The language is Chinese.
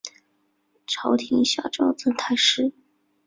朝廷下诏赠太师。